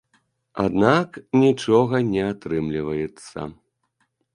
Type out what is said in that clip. Аднак нічога не атрымліваецца.